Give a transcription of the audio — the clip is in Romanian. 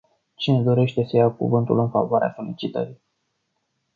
Cine dorește să ia cuvântul în favoarea solicitării?